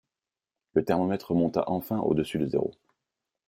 Le thermomètre remonta enfin au-dessus de zéro.